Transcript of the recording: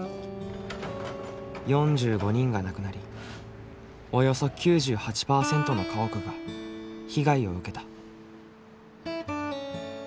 ４５人が亡くなりおよそ９８％の家屋が被害を受けた。